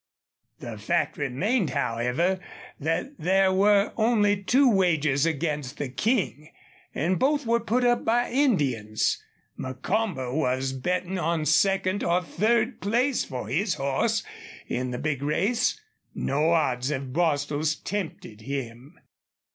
The fact remained, however, that there were only two wagers against the King, and both were put up by Indians. Macomber was betting on second or third place for his horse in the big race. No odds of Bostil's tempted him.